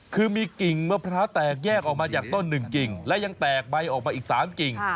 คือมีกิ่งมะพร้าวแตกแยกออกมาจากต้นหนึ่งกิ่งและยังแตกใบออกมาอีก๓กิ่ง